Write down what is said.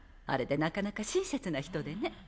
あれでなかなか親切な人でね。